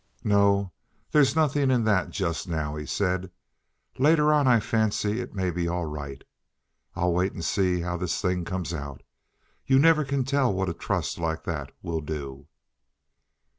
"No; there's nothing in that, just now," he said. "Later on I fancy it may be all right. I'll wait and see how this thing comes out. You never can tell what a trust like that will do."